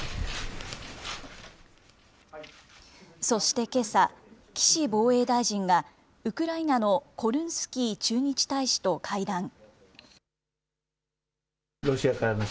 そしてけさ、岸防衛大臣が、ウクライナのコルンスキー駐日大使と会談。